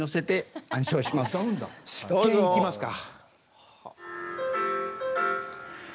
執権いきますか。